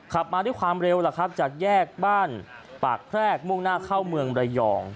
มาด้วยความเร็วล่ะครับจากแยกบ้านปากแพรกมุ่งหน้าเข้าเมืองระยอง